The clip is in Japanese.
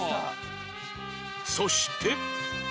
そして